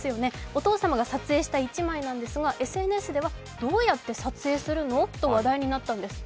お父様が撮影した一枚なんですがＳＮＳではどうやって撮影するの？と話題になったんです。